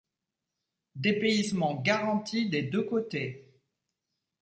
Dépaysement garanti des deux côtés.